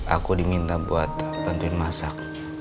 aku diminta buat bantuin masak